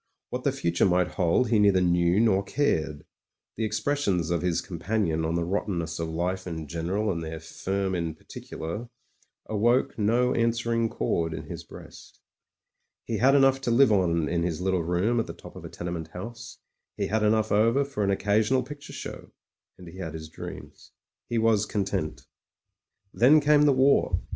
What the future might hold he neither knew nor cared ; the expressions of his companion on the rottenness of life in general and their firm in particular awoke no an swering chord in his breast He had enough to live on in his little room at the top of a tenement house — he had enough over for an occasional picture show — ^and he had his dreams. He was content. Then came the war.